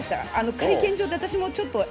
会見場で、私もちょっとえ？